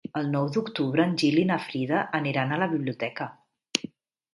El nou d'octubre en Gil i na Frida aniran a la biblioteca.